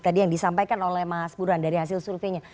tadi yang disampaikan oleh mas buran dari hasil surveinya